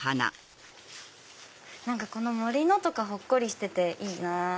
この森のとかほっこりしてていいなぁ。